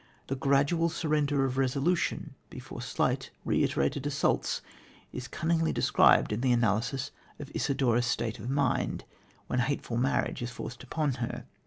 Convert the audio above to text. The gradual surrender of resolution before slight, reiterated assaults is cunningly described in the analysis of Isidora's state of mind, when a hateful marriage is forced upon her.